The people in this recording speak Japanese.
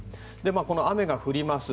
この雨が降ります。